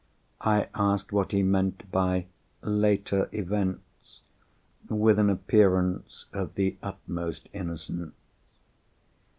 I asked what he meant by "later events"—with an appearance of the utmost innocence.